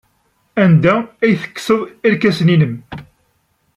Anda ay tekkseḍ irkasen-nnem?